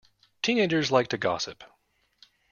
Teenagers like to gossip.